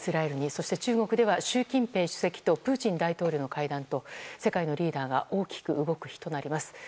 そして中国では習近平主席とプーチン大統領の会談と世界のリーダーが大きく動く日となります。